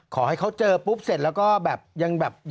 ขอให้เขาเจอปุ๊บเสร็จแล้วก็แบบยังแบบ